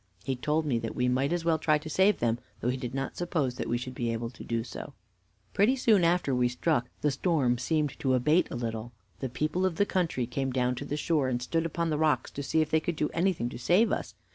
He told me that we might as well try to save them, though he did not suppose that we should be able to do so. "Pretty soon after we struck the storm seemed to abate a little. The people of the country came down to the shore and stood upon the rocks to see if they could do anything to save us.